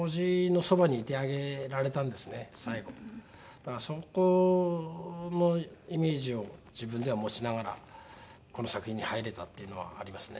だからそこのイメージを自分では持ちながらこの作品に入れたっていうのはありますね。